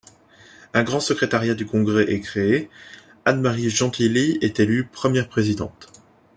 Un grand secrétariat du congrès est créé, Anne-Marie Gentily est élue première présidente.